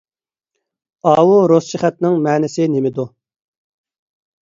ئاۋۇ رۇسچە خەتنىڭ مەنىسى نېمىدۇ؟